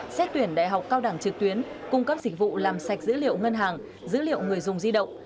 xét tuyển đại học cao đẳng trực tuyến cung cấp dịch vụ làm sạch dữ liệu ngân hàng dữ liệu người dùng di động